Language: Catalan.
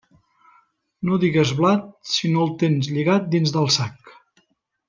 No digues blat si no el tens lligat dins del sac.